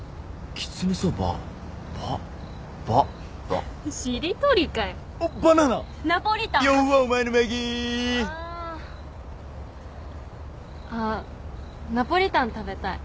あっナポリタン食べたい。